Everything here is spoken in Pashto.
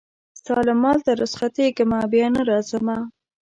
ستا له مالته رخصتېږمه بیا نه راځمه